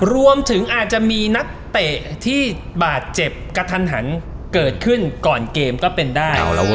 รวมถึงอาจจะมีนักเตะที่บาดเจ็บกระทันหันเกิดขึ้นก่อนเกมก็เป็นได้